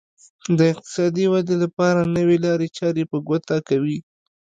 د اقتصادي ودې لپاره نوې لارې چارې په ګوته کوي.